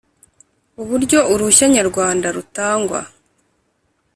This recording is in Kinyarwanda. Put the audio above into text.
uburyo uruhushya nyarwanda rutangwa